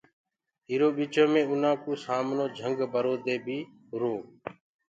اِرو ٻِچو مي اُنآ ڪو سامنو جھنگ برو دي بي هُرو۔